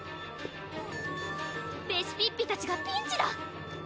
レシピッピたちがピンチだ！